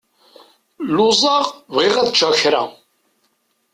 Luẓeɣ, bɣiɣ ad ččeɣ kra.